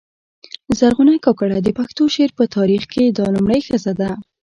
زرغونه کاکړه د پښتو شعر په تاریخ کښي دا لومړۍ ښځه ده.